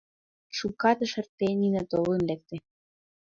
Шукат ыш эрте, Нина толын лекте.